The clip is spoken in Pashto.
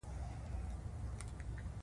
بس چاپلوسي یې شروع کړه.